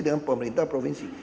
dengan pemerintah provinsi